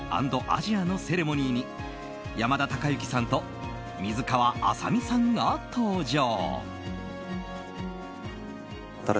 ＆アジアのセレモニーに、山田孝之さんと水川あさみさんが登場。